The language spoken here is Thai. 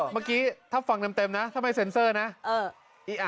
เมื่อกี้ถ้าฟังเต็มนะถ้าไม่เซ็นเซอร์นะ